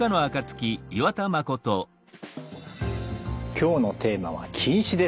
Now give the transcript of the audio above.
今日のテーマは近視です。